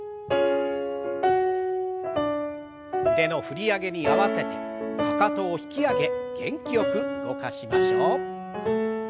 腕の振り上げに合わせてかかとを引き上げ元気よく動かしましょう。